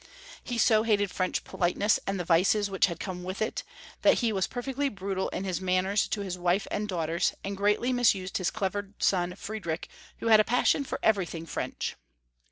He so hated French politeness and the vices which had come in with it, that he was perfectly brutal in his manners to his wife and daughters, and greatly misused his clever son Friedrich, who had a passion for everything French.